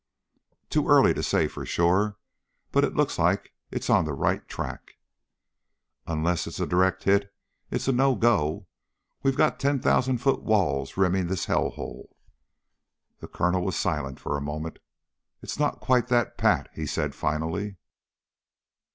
"Too early to say for sure, but it looks like it's on the right track." "Unless it's a direct hit it's no go. We got ten thousand foot walls rimming this hell hole." The Colonel was silent for a moment. "It's not quite that pat," he said finally.